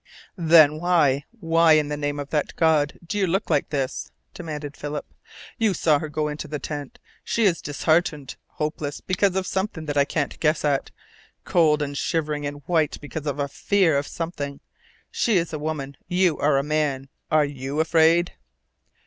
"Then why why in the name of that God do you look like this?" demanded Philip. "You saw her go into the tent. She is disheartened, hopeless because of something that I can't guess at, cold and shivering and white because of a FEAR of something. She is a woman. You are a man. Are YOU afraid?"